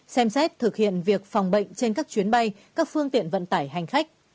xem xét thực hiện việc phòng bệnh trên các chuyến bay các phương tiện vận tải hành khách